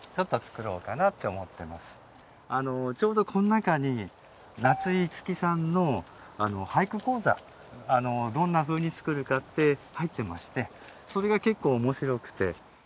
ちょうどこの中に夏井いつきさんの俳句講座どんなふうに作るかって入ってましてそれが結構面白くて。